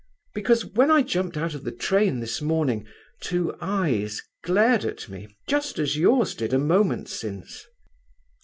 "Because when I jumped out of the train this morning, two eyes glared at me just as yours did a moment since."